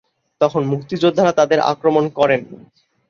তখন মুক্তিযোদ্ধারা তাদের আক্রমণ করেন।